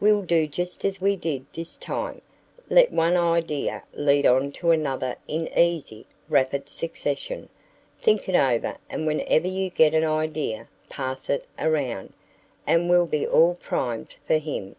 We'll do just as we did this time let one idea lead on to another in easy, rapid succession. Think it over and whenever you get an idea pass it around, and we'll be all primed for him.